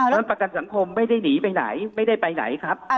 ประกันสังคมไม่ได้หนีไปไหนไม่ได้ไปไหนครับ